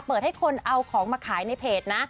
เปิดให้คนเอาของมาขายในเพจนะ